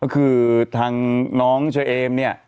ก็คือทางน้องเชอเอมเนี่ย